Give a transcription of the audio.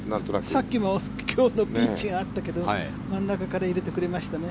さっきも今日のピンチがあったけど真ん中から入れてくれましたね。